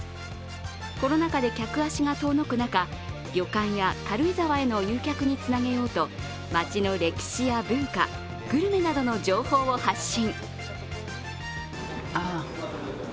コロナ禍で客足が遠のく中旅館や軽井沢への誘客につなげようと、町の歴史や文化、グルメなどの情報を発信。